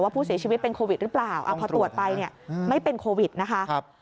ผู้เสียชีวิตเป็นโควิดหรือเปล่าพอตรวจไปเนี่ยไม่เป็นโควิดนะคะ